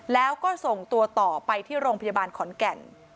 แล้วก็ส่งตัวต่อไปที่โรงพยาบาลขอนแก่น